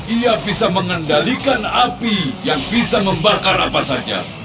ia bisa mengendalikan api yang bisa membakar apa saja